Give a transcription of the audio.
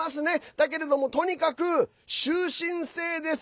だけれども、とにかく終身制です。